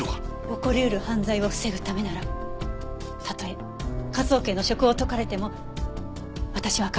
起こりうる犯罪を防ぐためならたとえ科捜研の職を解かれても私は構いません。